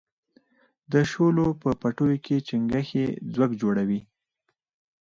د شولو په پټیو کې چنگښې ځوږ جوړوي.